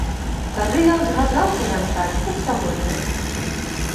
Тады ён згаджаўся вянчаць, хоць сягоння.